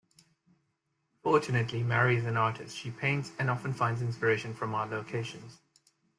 Fortunately, Mary's an artist; she paints, and often finds inspiration from our locations.